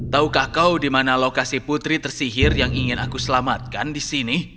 taukah kau di mana lokasi putri tersihir yang ingin aku selamatkan di sini